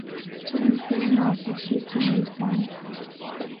The embryo's nervous system is one of the first organic systems to grow.